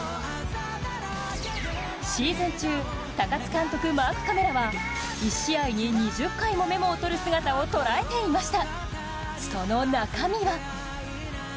シーズン中、高津監督マークカメラは１試合に２０回もメモを取る姿を捉えていました。